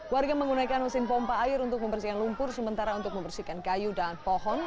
warga menggunakan mesin pompa air untuk membersihkan lumpur sementara untuk membersihkan kayu dan pohon